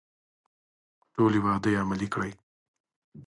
ټولې وعدې عملي کړي.